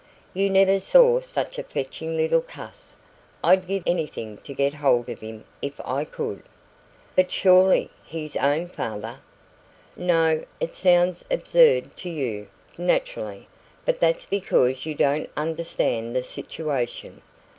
You never saw such a fetching little cuss. I'd give anything to get hold of him if I could." "But surely his own father " "No. It sounds absurd to you, naturally; but that's because you don't understand the situation."